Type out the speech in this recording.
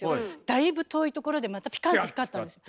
だいぶ遠い所でまたピカッと光ったんです。